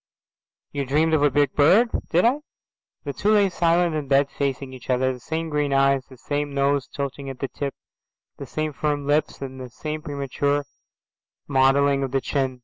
"You dreamed of a big bird." "Did I?" The two lay silent in bed facing each other, the same green eyes, the same nose tilting at the tip, the same firm lips, and the same premature modelling of the chin.